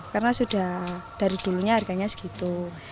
karena sudah dari dulunya harganya segitu